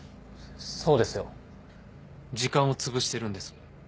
そうですよ時間をつぶしてるんです。